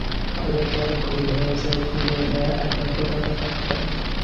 ফলে তার ভুল হয়ে যায়, গুলিয়ে যায় আগাগোড়া ব্যাপারটা।